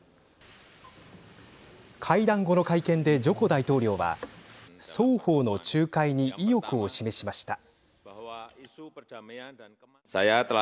会談後の会見でジョコ大統領は双方の仲介に意欲を示しました。